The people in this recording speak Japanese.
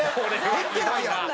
減ってないやん。